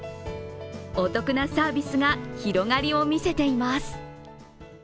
お得なサービスが広がりを見せています。